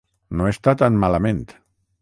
No està tan malament.